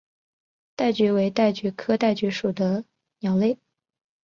戴菊为戴菊科戴菊属的鸟类。